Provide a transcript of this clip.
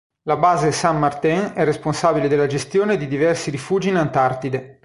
La base San Martín è responsabile della gestione di diversi rifugi in Antartide.